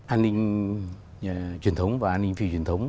an ninh truyền thống và an ninh phi truyền thống